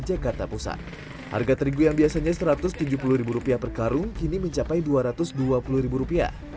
jakarta pusat harga terigu yang biasanya satu ratus tujuh puluh rupiah per karung kini mencapai dua ratus dua puluh rupiah